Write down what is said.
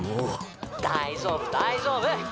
大丈夫大丈夫！